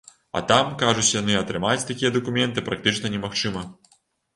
А там, кажуць яны, атрымаць такія дакументы практычна немагчыма.